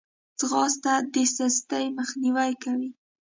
ځغاسته د سستي مخنیوی کوي